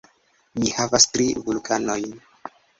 Mi havas tri vulkanojn.